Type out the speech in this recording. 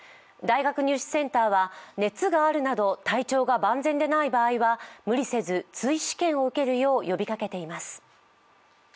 大学入試センターは熱があるなど体調が万全でない場合は無理せず追試験を受けるよう呼びかけています。